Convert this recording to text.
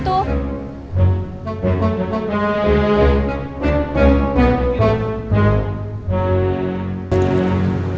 aku masih nunggu jawaban dari kamu